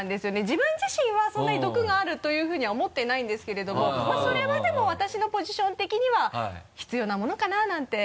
自分自身はそんなに毒があるというふうには思ってないんですけれどもまぁそれはでも私のポジション的には必要なものかな？なんて。